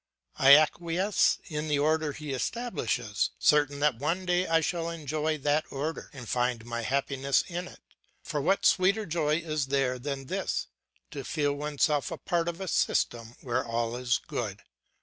I acquiesce in the order he establishes, certain that one day I shall enjoy that order and find my happiness in it; for what sweeter joy is there than this, to feel oneself a part of a system where all is good?